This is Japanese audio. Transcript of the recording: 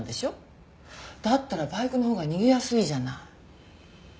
だったらバイクのほうが逃げやすいじゃない。